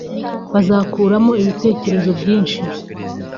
Bazakuramo ibitekerezo byinshi